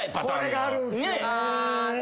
これがあるんすよねぇ。